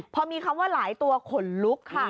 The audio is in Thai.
พอมีคำว่าหลายตัวขนลุกค่ะ